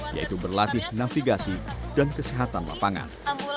yaitu berlatih navigasi dan kesehatan lapangan